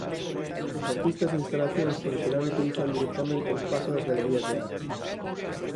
Os artistas de instalacións polo xeral utilizan directamente o espazo das galerías de arte.